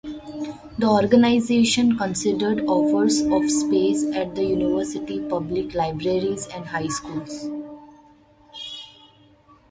The organization considered offers of space at the university, public libraries, and high schools.